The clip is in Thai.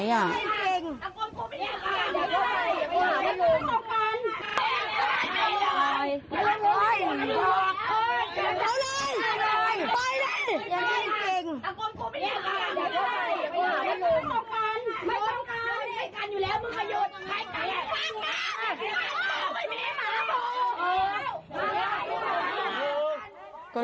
อยู่แล้วมึงก็หยุดใครเจอกัน